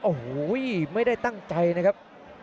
โอ้โหไม่ได้ตั้งใจนะครับ